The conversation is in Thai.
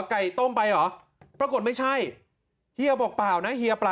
ไก่ต้มไปเหรอปรากฏไม่ใช่เฮียบอกเปล่านะเฮียเปล่า